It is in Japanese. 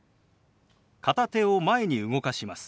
片手を前に動かします。